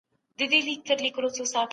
حاکم بې پروا کيږي.